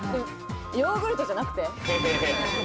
ヨーグルトじゃなくて？